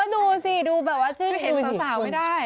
ดูสิดูแบบว่าชื่อเห็นสาวไม่ได้